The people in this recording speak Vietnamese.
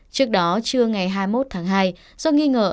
trước đó trưa ngày hai mươi một tháng hai do nghi ngờ